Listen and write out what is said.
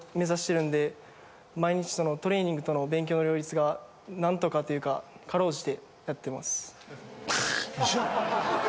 毎日トレーニングと勉強の両立が何とかというか辛うじてやってます。